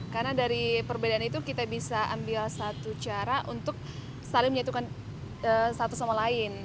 karena dari perbedaan itu kita bisa ambil satu cara untuk saling menyatukan satu sama lain